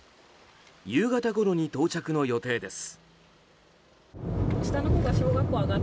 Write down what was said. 夕方ごろに到着の予定です。